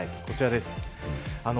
こちらです。